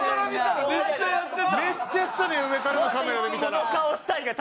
めっちゃやってたね上からのカメラで見たら。